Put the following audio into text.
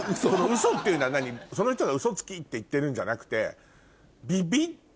ウソっていうのはその人がウソつきって言ってるんじゃなくて。